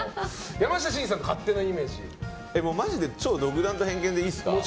山下真司さんのマジで超独断と偏見でいいですか。